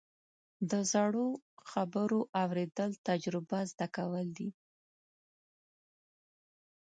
د زړو خبرو اورېدل، تجربه زده کول دي.